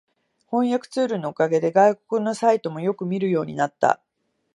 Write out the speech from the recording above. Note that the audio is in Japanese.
翻訳ツールのおかげで外国のサイトもよく見るようになった